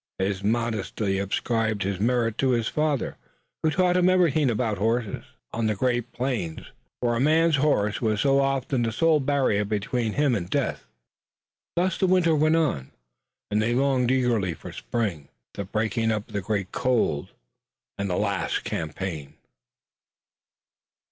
He modestly ascribed his merit to his father who taught him everything about horses on the great plains, where a man's horse was so often the sole barrier between him and death. Thus the winter went on, and they longed eagerly for spring, the breaking up of the great cold, and the last campaign.